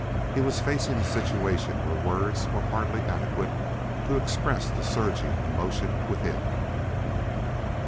He was facing a situation where words were hardly adequate to express the surging emotion within.